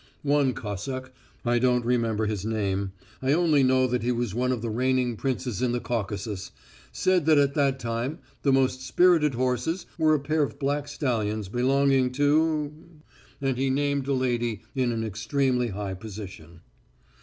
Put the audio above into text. One Cossack I don't remember his name, I only know that he was one of the reigning princes in the Caucasus said that at that time the most spirited horses were a pair of black stallions belonging to , and he named a lady in an extremely high position.